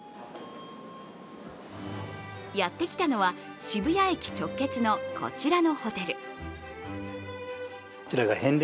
やってきたのは、渋谷駅直結のこちらのホテル。